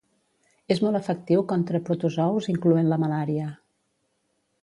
És molt efectiu contra protozous incloent la malària.